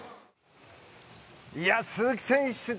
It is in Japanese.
鈴木選手